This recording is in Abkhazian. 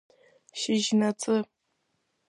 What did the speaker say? Шьыжьнаҵы…